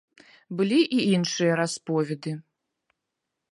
Былі і іншыя расповеды.